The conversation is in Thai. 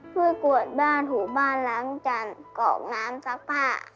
ช่วยกรวดบ้านถูกบ้านล้างจันทร์กรอกน้ำซักผ้า